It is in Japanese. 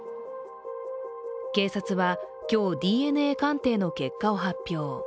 警察は、今日、ＤＮＡ鑑定の結果を発表。